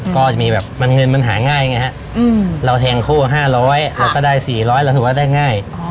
ก็จะมีแบบเงินมันหาง่ายไงฮะเราแทงคู่๕๐๐เราก็ได้๔๐๐เราถือว่าได้ง่าย